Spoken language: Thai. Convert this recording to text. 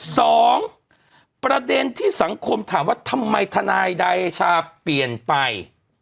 สองประเด็นที่สังคมถามว่าทำไมทนายเดชาเปลี่ยนไป